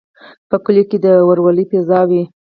په کلیو کې د ورورولۍ فضا وي.